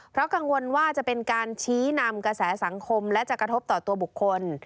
เพราะกังวลว่าจะเป็นการชี้นำกระแสสังคมและจะกระทบต่อตัวบุคคล